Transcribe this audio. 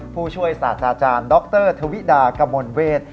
ผู้ช่วยศาสตราจารย์ดรธวิดากมลเวท